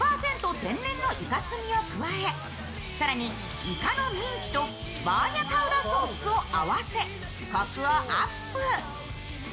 天然のイカスミを加え、更にイカのミンチとバーニャカウダソースを合わせ、コクをアップ。